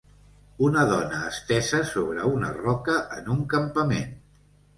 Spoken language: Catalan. Una dona estesa sobre una roca en un campament.